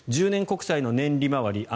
１０年国債の年利回り